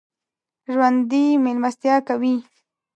ژوندي مېلمستیا کوي